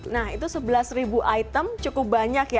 nah itu sebelas ribu item cukup banyak ya